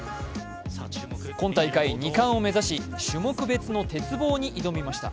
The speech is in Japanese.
今大会２冠を目指し、種目別の鉄棒に挑みました。